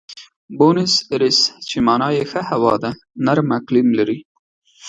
بونیس ایرس چې مانا یې ښه هوا ده، نرم اقلیم لري.